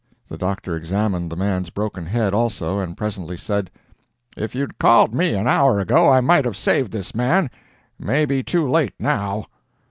The doctor examined the man's broken head also, and presently said: "If you'd called me an hour ago I might have saved this man, may be too late now."